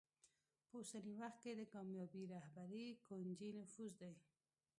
په اوسني وخت کې د کامیابې رهبرۍ کونجي نفوذ دی.